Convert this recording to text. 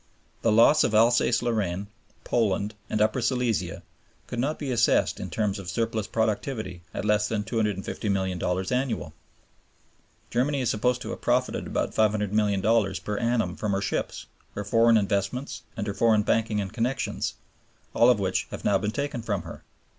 The loss of Alsace Lorraine, Poland, and Upper Silesia could not be assessed in terms of surplus productivity at less than $250,000,000 annually. Germany is supposed to have profited about $500,000,000 per annum from her ships, her foreign investments, and her foreign banking and connections, all of which have now been taken from her.